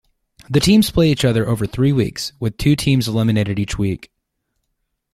The teams play each other over three weeks, with two teams eliminated each week.